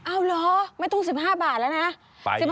เหรอไม่ต้อง๑๕บาทแล้วนะ